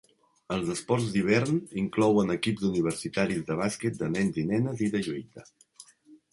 Els esports d'hivern inclouen equips universitaris de bàsquet de nens i nenes i de lluita.